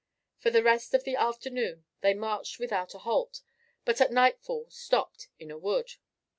For the rest of the afternoon they marched without a halt, but at nightfall stopped in a wood.